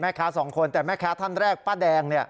แม่ค้าสองคนแต่แม่ค้าท่านแรกป้าแดงเนี่ย